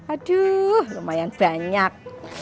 aduh lumayan banyak